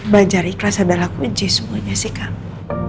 belajar ikhlas adalah kunci semuanya sih kamu